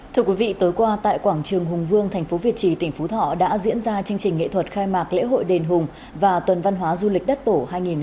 thưa quý vị tối qua tại quảng trường hùng vương thành phố việt trì tỉnh phú thọ đã diễn ra chương trình nghệ thuật khai mạc lễ hội đền hùng và tuần văn hóa du lịch đất tổ hai nghìn một mươi chín